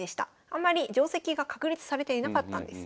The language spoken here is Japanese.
あんまり定跡が確立されていなかったんです。